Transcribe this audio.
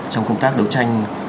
trong công tác đấu tranh